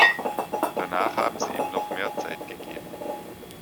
Danach haben Sie ihm noch mehr Zeit gegeben!